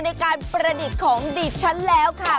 ในการประดิษฐ์ของดิฉันแล้วค่ะ